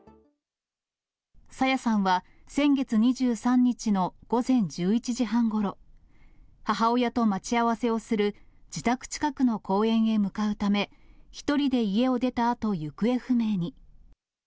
朝芽さんは先月２３日の午前１１時半ごろ、母親と待ち合わせをする自宅近くの公園へ向かうため、１人で家を出たあと行方不明に。